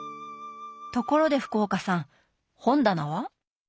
ところで福岡さん本棚は？